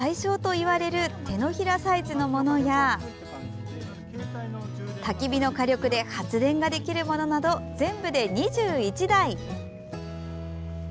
世界最小といわれる手のひらサイズのものやたき火の火力で発電ができるものなど全部で２１台。